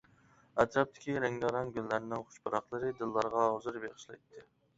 ئەتراپتىكى رەڭگارەڭ گۈللەرنىڭ خۇش پۇراقلىرى دىللارغا ھۇزۇر بېغىشلايتتى.